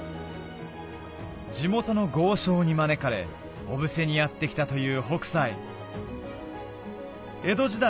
地元の豪商に招かれ小布施にやって来たという北斎江戸時代